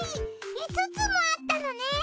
５つもあったのね。